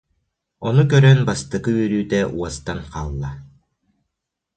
Ону көрөн бастакы үөрүүтэ уостан хаалла